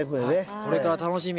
これから楽しみ！